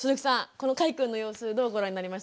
このかいくんの様子どうご覧になりましたか？